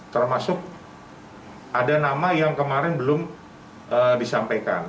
termasuk ada nama yang kemarin belum disampaikan